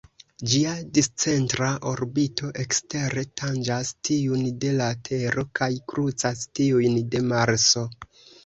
Ĝia discentra orbito ekstere tanĝas tiun de la Tero kaj krucas tiujn de Marso.